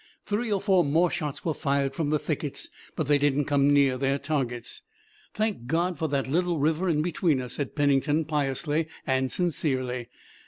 Three or four more shots were fired from the thickets, but they did not come near their targets. "Thank God for that little river in between us!" said Pennington, piously and sincerely.